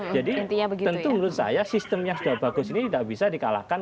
jadi tentu menurut saya sistem yang sudah bagus ini tidak bisa di kalahkan